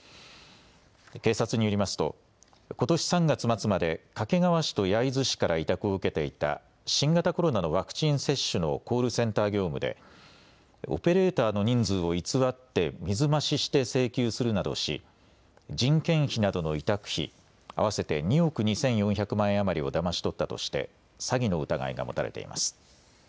警察によりますとことし３月末まで掛川市と焼津市から委託を受けていた新型コロナのワクチン接種のコールセンター業務でオペレーターの人数を偽って水増しして請求するなどし人件費などの委託費合わせて２億２４００万円余りをだまし取ったとして詐欺の疑いが持たれています。